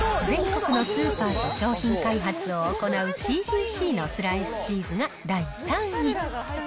全国のスーパーと商品開発を行うＣＧＣのスライスチーズが、第３位。